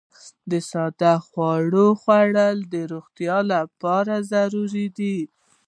ساده خواړه خوړل د روغتیا لپاره ضروري دي.